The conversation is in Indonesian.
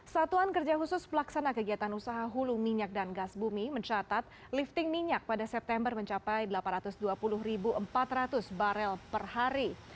satuan kerja khusus pelaksana kegiatan usaha hulu minyak dan gas bumi mencatat lifting minyak pada september mencapai delapan ratus dua puluh empat ratus barel per hari